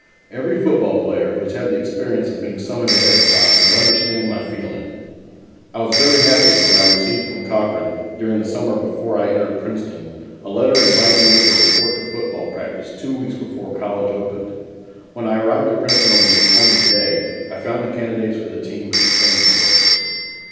Every football player who has had the experience of being summoned ahead of time will understand my feeling. I was very happy when I received from Cochran, during the summer before I entered Princeton, a letter inviting me to report for football practice two weeks before college opened. When I arrived at Princeton on the appointed day, I found the candidates for the team at the training quarters.